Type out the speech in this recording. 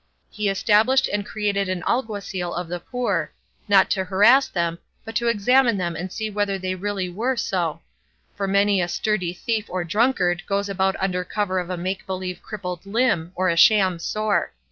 He established and created an alguacil of the poor, not to harass them, but to examine them and see whether they really were so; for many a sturdy thief or drunkard goes about under cover of a make believe crippled limb or a sham sore.